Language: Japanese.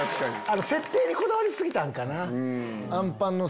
設定にこだわり過ぎたんかな。